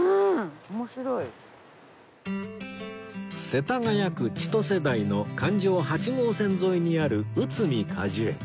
世田谷区千歳台の環状八号線沿いにある内海果樹園